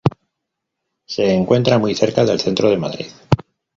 Se encuentra muy cerca del centro de Madrid.